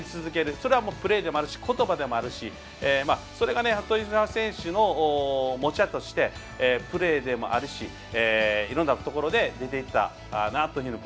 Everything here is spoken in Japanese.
それはもうプレーでもあるしことばでもあるしそれが、豊島選手の持ち味としてプレーでもあるしいろんなところで出ていたかなと思います。